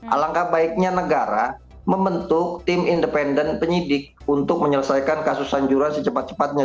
alangkah baiknya negara membentuk tim independen penyidik untuk menyelesaikan kasus sanjuran secepat cepatnya